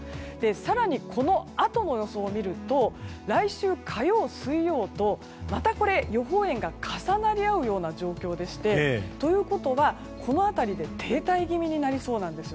更に、このあとの予想を見ると来週火曜、水曜とまた予報円が重なり合う状況でして。ということはこの辺りで停滞気味になりそうなんです。